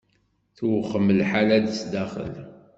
Tewxem lḥala sdaxel.